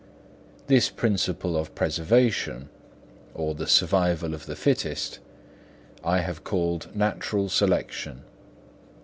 This principle of preservation, or the survival of the fittest, I have called Natural Selection.